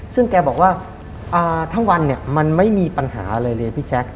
ซึ่งแกบอกว่าทั้งวันเนี่ยมันไม่มีปัญหาอะไรเลยพี่แจ๊ค